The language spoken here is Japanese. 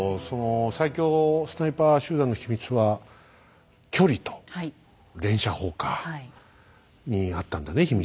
その最強スナイパー集団の秘密は距離と連射法かにあったんだね